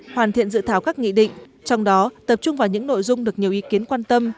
hoàn thiện dự thảo các nghị định trong đó tập trung vào những nội dung được nhiều ý kiến quan tâm